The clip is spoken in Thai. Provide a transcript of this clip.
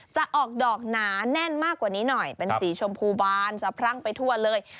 จะออกดอกหนาแน่นมากกว่านี้หน่อยเป็นสีชมพูบานสะพรั่งไปทั่วเลย